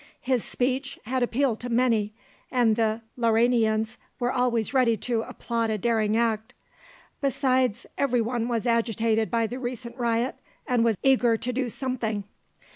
His speech had appealed to many, and the Lauranians were always ready to applaud a daring act. Besides, every one was agitated by the recent riot and was eager to do something.